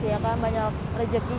ya kan banyak rejeki